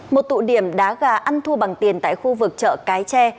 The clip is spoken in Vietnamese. một tụ điểm đá gà ăn thua bằng tiền tại khu vực chợ cái tre